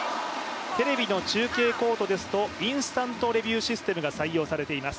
テレビの中継ですとインスタントレビューシステムが採用されています。